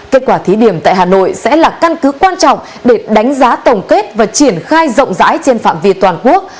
kết quả thí điểm tại hà nội sẽ là căn cứ quan trọng để đánh giá tổng kết và triển khai rộng rãi trên phạm vi toàn quốc